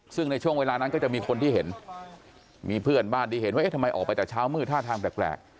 ซึ่งในช่วงเวลานั้นก็จะมีคนที่เห็นมีเพื่อนบ้านที่เห็นว่าเอ๊ะทำไมออกไปแต่เช้ามืดท่าทางแปลก